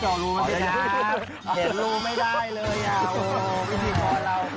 เห็นรู้ไม่ได้เลย